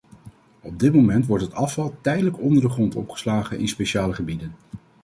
Op dit moment wordt het afval tijdelijk onder de grond opgeslagen in speciale gebieden.